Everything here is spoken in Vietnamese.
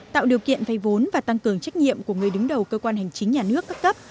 tạo điều kiện vay vốn và tăng cường trách nhiệm của người đứng đầu cơ quan hành chính nhà nước cấp cấp